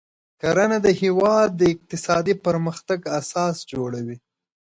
کرنه د هیواد د اقتصادي پرمختګ اساس جوړوي.